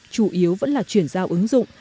chủ yếu vẫn là chuyển giao ứng dụng